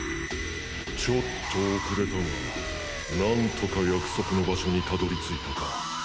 ちょっと遅れたが何とか約束の場所にたどりついたか。